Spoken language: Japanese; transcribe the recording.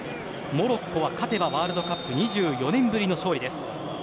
モロッコは勝てばワールドカップ２４年ぶりの勝利です。